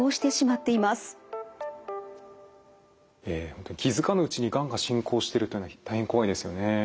そのため気付かぬうちにがんが進行しているというのは大変怖いですよね。